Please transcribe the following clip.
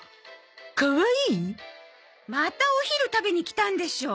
またお昼食べに来たんでしょ？